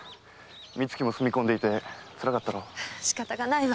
三月も住み込んでいてつらかったろう？仕方がないわ。